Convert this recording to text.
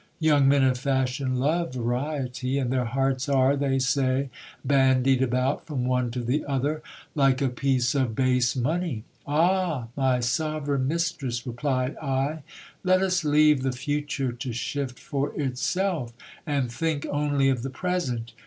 Young men of fashion love variety, and their hearts are, they say, bandied about from one to the other like a piece of base money. Ah ! my sovereign mistress, replied I, let us leave the future to shift for itself, and think only of the present.